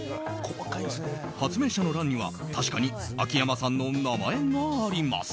発明者の欄には確かに秋山さんの名前があります。